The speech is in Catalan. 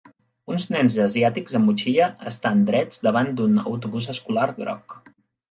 Uns nens asiàtics amb motxilla estan drets davant d'un autobús escolar groc.